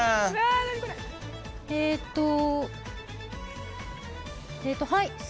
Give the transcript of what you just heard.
えっとはい。